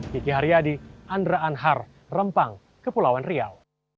kiki haryadi andra anhar rempang kepulauan riau